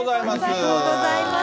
ありがとうございます。